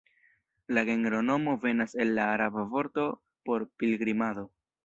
La genronomo venas el la araba vorto por "pilgrimado".